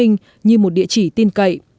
như một địa chỉ tin cậy